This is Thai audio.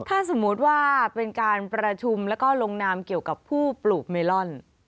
ถ้าสมมุติว่าเป็นการประชุมแล้วก็ลงนามเกี่ยวกับผู้ปลูกเมลอน